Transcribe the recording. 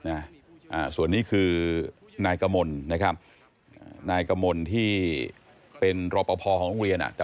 ไม่ใช่การเล่นหากความสำคัญจะสร้างความสร้างที่ดี